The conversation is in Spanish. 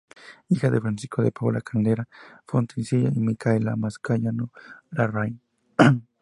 Hija de Francisco de Paula Caldera Fontecilla y Micaela Mascayano Larraín.